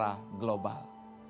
dan itu adalah era global